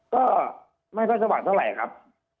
ก็ไม่ค่อยสว่างเท่าไหร่ครับ